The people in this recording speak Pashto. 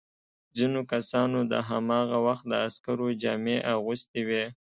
ځینو کسانو د هماغه وخت د عسکرو جامې اغوستي وې.